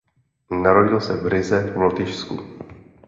Narodil se v Rize v Lotyšsku.